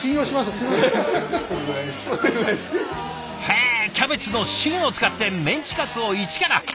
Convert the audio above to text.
へえキャベツの芯を使ってメンチカツをイチから？